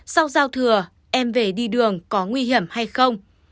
sau giao thừa em về đi đường có nguy hiểm hay không